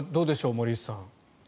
森内さん。